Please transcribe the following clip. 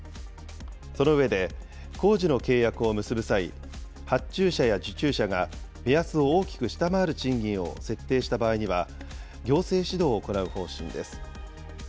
その上で、工事の契約を結ぶ際、発注者や受注者が目安を大きく下回る賃金を設定した場合には、行政指導を行う方針です。